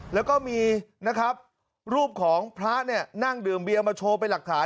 แล้วก็มีนะครับรูปของพระเนี่ยนั่งดื่มเบียมาโชว์เป็นหลักฐาน